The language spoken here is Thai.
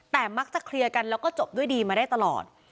แต่มักจะเคลียร์กันแล้วก็จบด้วยดีมาได้ตลอด